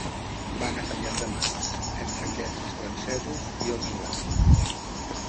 Va anar canviant de mans entre aquests, els francesos i els anglesos.